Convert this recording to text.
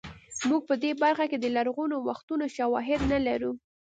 موږ په دې برخه کې د لرغونو وختونو شواهد نه لرو